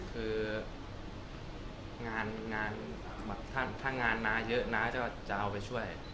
คืองานถ้างานน้าเยอะน้าก็จะเอาไปช่วย